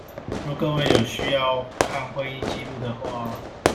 若各位有需要看會議紀錄的話